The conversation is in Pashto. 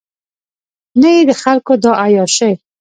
نه یې د خلکو دا عیاشۍ.